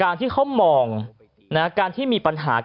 การที่เขามองการที่มีปัญหากัน